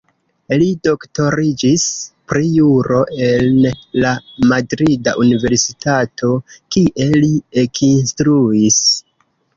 Li doktoriĝis pri Juro en la madrida universitato, kie li ekinstruis.